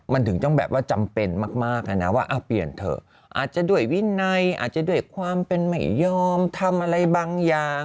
มันถึงต้องแบบว่าจำเป็นมากนะว่าเปลี่ยนเถอะอาจจะด้วยวินัยอาจจะด้วยความเป็นไม่ยอมทำอะไรบางอย่าง